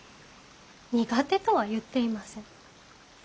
苦手とは言っていません。